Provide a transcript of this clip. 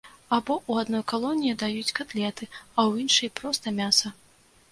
Або ў адной калоніі даюць катлеты, а ў іншай проста мяса.